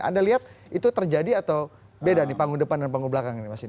anda lihat itu terjadi atau beda nih panggung depan dan panggung belakang ini mas ind